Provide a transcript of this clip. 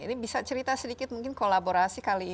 ini bisa cerita sedikit mungkin kolaborasi kali ini